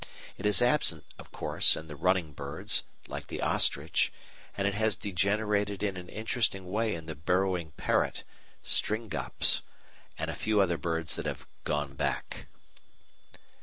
It is absent, of course, in the Running Birds, like the ostrich, and it has degenerated in an interesting way in the burrowing parrot (Stringops) and a few other birds that have "gone back."